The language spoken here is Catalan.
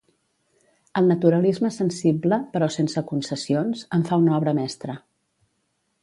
El naturalisme sensible, però sense concessions, en fa una obra mestra.